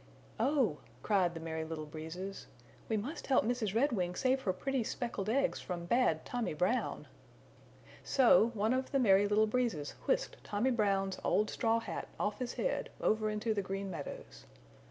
"Oh," cried the Merry Little Breezes, "we must help Mrs. Redwing save her pretty speckled eggs from bad Tommy Brown!" So one of the Merry Little Breezes whisked Tommy Brown's old straw hat off his head over into the Green Meadows.